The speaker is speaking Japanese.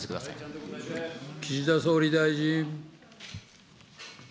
岸田総理大臣。